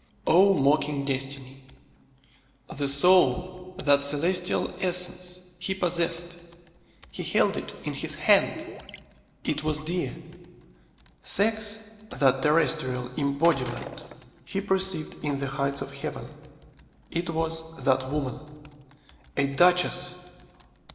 O mocking destiny! The soul, that celestial essence, he possessed; he held it in his hand. It was Dea. Sex, that terrestrial embodiment, he perceived in the heights of heaven. It was that woman. A duchess!